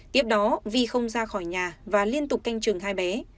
tiếp đó vi không ra khỏi nhà và liên tục canh chừng hai bé